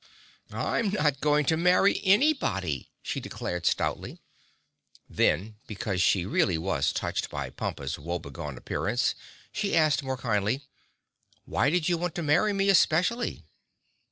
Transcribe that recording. "I'm not going to marry anybody!" she declared stoutly. Then, because she really was touched by Pompa's woebegone appearance, she asked more kindly, "Why did you want to marry me especially?"